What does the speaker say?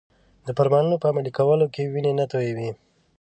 د فرمانونو په عملي کولو کې وینې نه تویوي.